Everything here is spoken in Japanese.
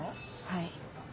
はい。